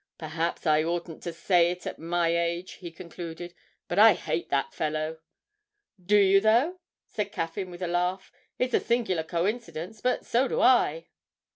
'Perhaps I oughtn't to say it at my age,' he concluded, 'but I hate that fellow!' 'Do you though?' said Caffyn with a laugh; 'it's a singular coincidence, but so do I.'